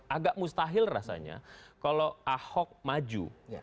agak mustahil rasanya kalau ahok maju